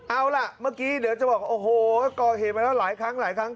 เอาล่ะเมื่อกี้เดี๋ยวจะบอกโอ้โหก็เห็นไปแล้วหลายครั้ง